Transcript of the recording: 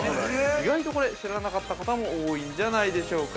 意外と、知らなかった方も多いんじゃないでしょうか。